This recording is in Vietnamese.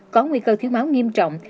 có nguy cơ thiếu máu nghiêm trọng